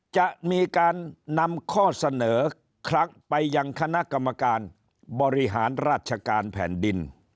จะมีการนำข้อเสนอคลักไปยังคณะกรรมการบริหารราชการแผ่นดิน